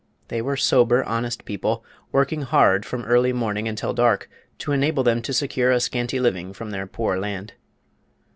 They were sober, honest people, working hard from early morning until dark to enable them to secure a scanty living from their poor land.